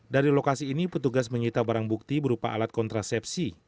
dari lokasi ini petugas menyita barang bukti berupa alat kontrasepsi